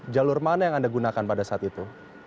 jalur mana yang anda gunakan pada saat itu